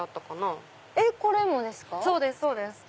そうですそうです。